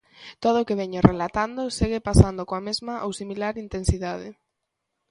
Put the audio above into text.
Todo o que veño relatando segue pasando coa mesma ou similar intensidade.